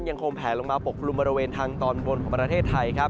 ยังคงแผลลงมาปกปรุงบริเวณทางตอนบนประเทศไทย